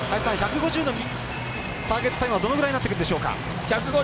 １５０のターゲットタイムどうなってくるでしょうか。